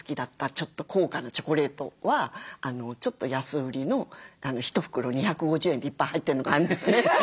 ちょっと高価なチョコレートはちょっと安売りの１袋２５０円でいっぱい入ってるのがあるんですね。